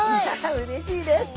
うれしいです。